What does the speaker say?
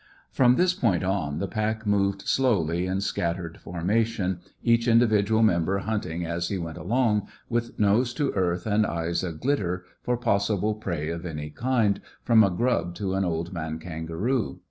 From this point on, the pack moved slowly in scattered formation, each individual member hunting as he went along, with nose to earth and eyes a glitter for possible prey of any kind, from a grub to an old man kangaroo.